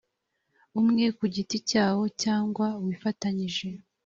umwe ku giti cyawo cyangwa wifatanyije